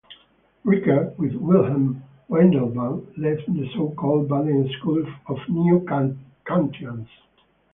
Rickert, with Wilhelm Windelband, led the so-called Baden School of Neo-Kantians.